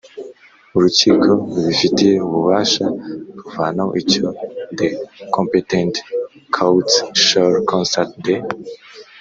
Urukiko rubifitiye ububasha ruvanaho icyo The competent court shall cancel the